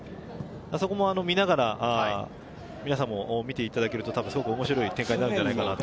そこを見ながら皆さんも見ていただけると面白い展開になるかなと。